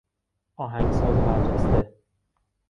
آهنگساز برجسته